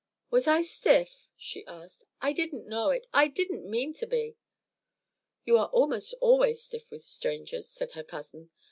"Was I stiff?" she asked. "I didn't know it. I didn't mean to be." "You are almost always stiff with strangers," said her cousin.